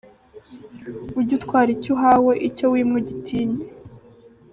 Ujye utwara icyo uhawe, icyo wimwe ugitinye.”